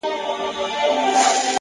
زده کړه د عمر له پولې خلاصه ده,